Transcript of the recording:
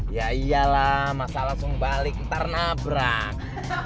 ya iyalah masa langsung balik ntar nabrak